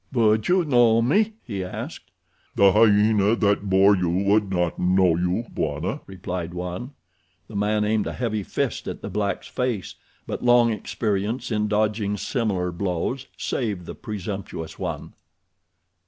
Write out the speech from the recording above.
"Would you know me?" he asked. "The hyena that bore you would not know you, Bwana," replied one. The man aimed a heavy fist at the black's face; but long experience in dodging similar blows saved the presumptuous one.